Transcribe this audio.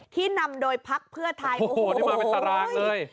ที่นำโดยพักเพื่อไทยโอ้โหนี่มาเป็นตารางเลย